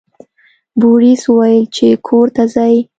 بوریس وویل چې کور ته ځئ.